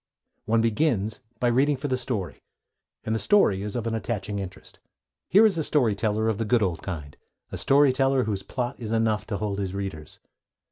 One begins by reading for the story, and the story is of an attaching interest. Here is a story teller of the good old kind, a story teller whose plot is enough to hold his readers.